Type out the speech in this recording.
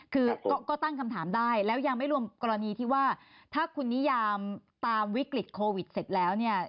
คือก็ตั้งคำถามได้แล้วยังไม่รวมกรณีที่ว่าถ้าคุณนิยามตามวิกฤตโควิดเสร็จแล้วเนี่ย